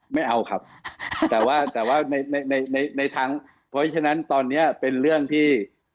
ไม่เอาครับแต่ว่าแต่ว่าในในทั้งเพราะฉะนั้นตอนนี้เป็นเรื่องที่